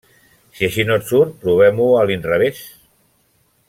Si així no et surt, provem-ho a l'inrevés.